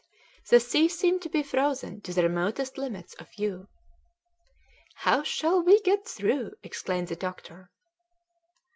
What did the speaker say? The sea seemed to be frozen to the remotest limits of view. "How shall we get through?" exclaimed the doctor.